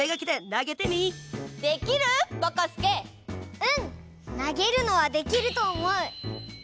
なげるのはできるとおもう！